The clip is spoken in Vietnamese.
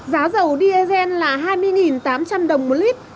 giá dầu diesel là hai mươi tám trăm linh đồng một lít